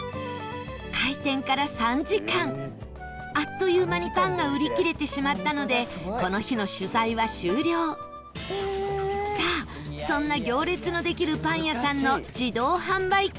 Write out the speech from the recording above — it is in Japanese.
開店から３時間あっという間にパンが売り切れてしまったのでこの日の取材は終了さあ、そんな行列のできるパン屋さんの自動販売機